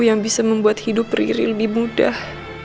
yang bisa membuat hidup beriri lebih mudah